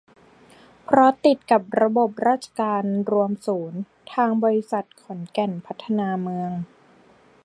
เพราะติดกับระบบราชการรวมศูนย์ ทางบริษัทขอนแก่นพัฒนาเมือง